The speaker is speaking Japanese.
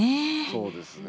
そうですね。